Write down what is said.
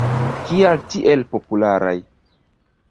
Kial tiel popularaj?